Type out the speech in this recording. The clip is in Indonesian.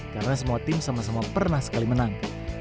karena semua tim sama sama pernah sekali menang